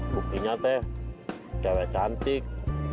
buktinya teh cewek cantik